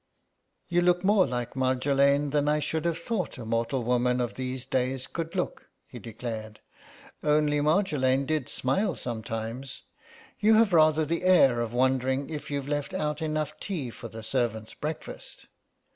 "You look more like Marjolaine than I should have thought a mortal woman of these days could look," he declared, "only Marjolaine did smile sometimes. You have rather the air of wondering if you'd left out enough tea for the servants' breakfast.